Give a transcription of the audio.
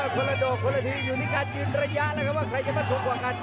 คนละดอกคนละทีอยู่ที่การยืนระยะแล้วครับว่าใครจะมั่นสูงกว่ากัน